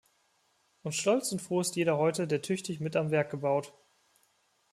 Und stolz und froh ist jeder heute, der tüchtig mit am Werk gebaut.